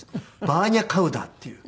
バーニャカウダっていう。